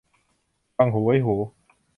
ฟังหูไว้หู